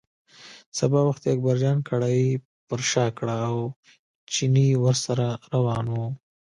سبا وختي اکبرجان کړایی پر شا کړه او چيني ورسره روان و.